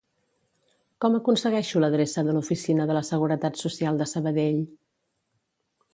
Com aconsegueixo l'adreça de l'oficina de la Seguretat Social de Sabadell?